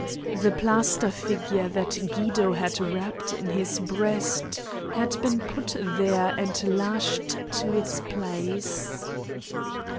The plaster figure that Guido had wrapped in his breast had been put there and lashed to its place.